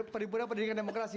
perhimpunan pendidikan demokrasi